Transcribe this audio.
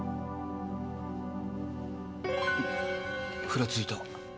ふらついた。